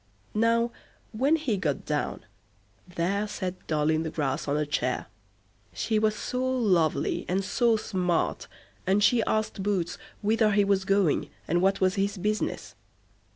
Now, when he got down; there sat Doll i' the Grass on a chair; she was so lovely and so smart, and she asked Boots whither he was going, and what was his business.